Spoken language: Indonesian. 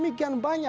itu rather banyak